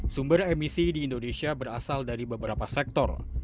sumber emisi di indonesia berasal dari beberapa sektor